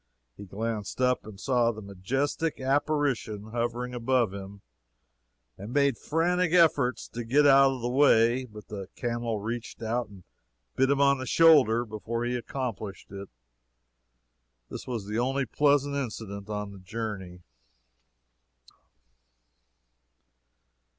He glanced up and saw the majestic apparition hovering above him, and made frantic efforts to get out of the way, but the camel reached out and bit him on the shoulder before he accomplished it. This was the only pleasant incident of the journey.